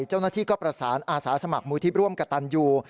เจ้าหน้าที่ก็ประสานอาสาสมัครมูลที่ร่วมกับตันยู